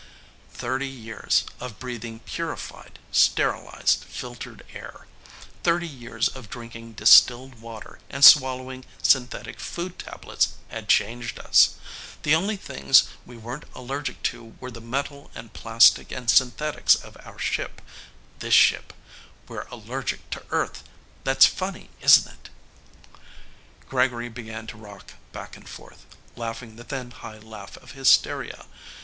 "Thirty years of breathing purified, sterilized, filtered air, thirty years of drinking distilled water and swallowing synthetic food tablets had changed us. The only things we weren't allergic to were the metal and plastic and synthetics of our ship, this ship. We're allergic to Earth. That's funny, isn't it?" Gregory began to rock back and forth, laughing the thin high laugh of hysteria.